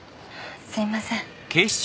すいません。